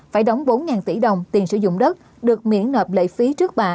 phải đóng bốn tỷ đồng tiền sử dụng đất được miễn nợ lệ phí trước bạ